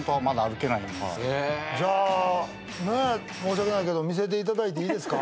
じゃあねえ申し訳ないけど見せていただいていいですか？